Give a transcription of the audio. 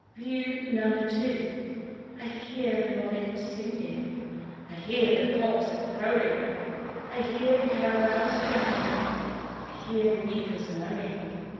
(View No. 2) I hear the robins singing, I hear the cocks a crowing. 16 LIFE WAVES I hear the cow bells ringing, I hear the reapers mowing.